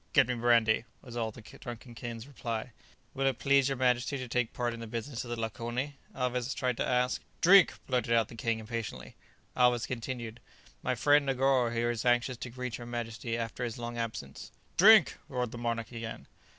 "Get me brandy," was all the drunken king's reply. "Will it please your majesty to take part in the business of the lakoni?" Alvez tried to ask. "Drink!" blurted out the king impatiently. Alvez continued, "My friend Negoro here is anxious to greet your majesty after his long absence." "Drink!" roared the monarch again.